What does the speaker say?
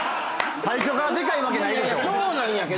最初からでかいわけないでしょ！